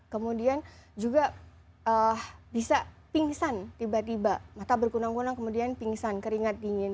kemudian juga bisa pingsan tiba tiba mata berkunang kunang kemudian pingsan keringat dingin